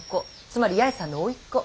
つまり八重さんの甥っ子。